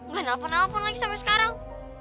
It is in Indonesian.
gak nelfon nelfon lagi sampai sekarang